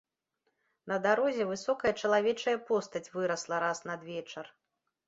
На дарозе высокая чалавечая постаць вырасла раз надвечар.